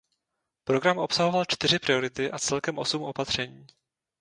Program obsahoval čtyři priority a celkem osm opatření.